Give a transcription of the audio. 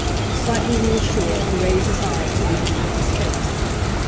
Slightly reassured, he raised his eyes to the young man's face.